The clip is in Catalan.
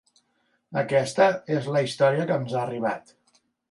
Aquesta és la història que ens ha arribat.